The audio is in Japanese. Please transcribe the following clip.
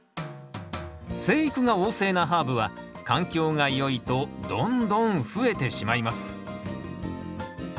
生育が旺盛なハーブは環境がよいとどんどん増えてしまいます。